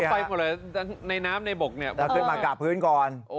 ได้ไปหมดเลยแต่ในน้ำในบนนะตอนกลับมากามพื้นกัน